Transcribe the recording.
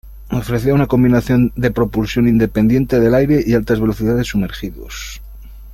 Ofrecía una combinación de propulsión independiente del aire y altas velocidades sumergidos.